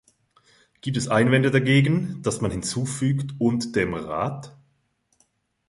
Gibt es Einwände dagegen, dass man hinzufügt "und dem Rat "?